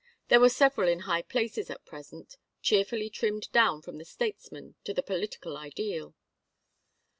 There were several in high places at present, cheerfully trimmed down from the statesman to the political ideal.